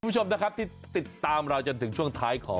จริงไหม